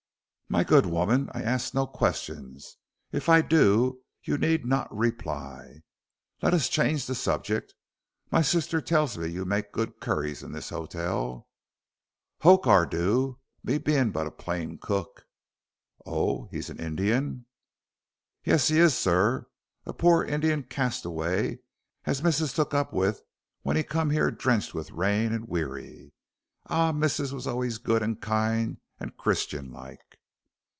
"My good woman, I ask no questions. If I do, you need not reply. Let us change the subject. My sister tells me you make good curries in this hotel." "Hokar do, me bein' but a plain cook." "Oh! He's an Indian?" "Yes, he is, sir. A pore Indian castaway as missus took up with when he come here drenched with rain and weary. Ah, missus was allays good and kind and Christian like."